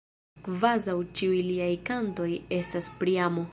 Kvazaŭ ĉiuj liaj kantoj estas pri amo.